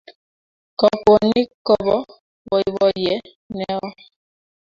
Kokwonik ko bo boiboiye ne oo.